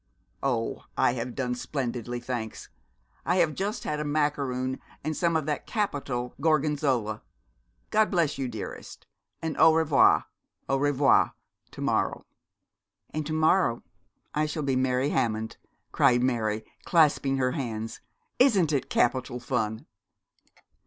'Oh, I have done splendidly thanks. I have just had a macaroon and some of that capital gorgonzola. God bless you, dearest, and à revoir, à revoir to morrow.' 'And to morrow I shall be Mary Hammond,' cried Mary, clasping her hands. 'Isn't it capital fun?'